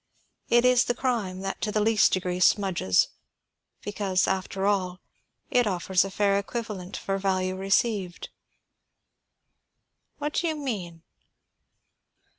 It is the crime that to the least degree smudges, because, after all, it offers a fair equivalent for value received." "What do you mean?"